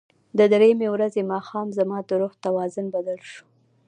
د درېیمې ورځې ماښام زما د روح توازن بدل شو.